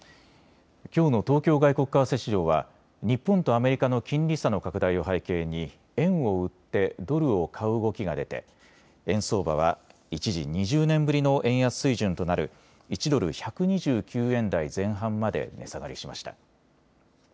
きょうの東京外国為替市場は日本とアメリカの金利差の拡大を背景に円を売ってドルを買う動きが出て円相場は一時、２０年ぶりの円安水準となる１ドル１２９円台前半まで値下がりしました。